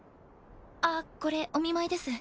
あっこれお見舞いです。